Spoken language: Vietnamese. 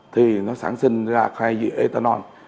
thì nó sản sinh ra khai dự ethanol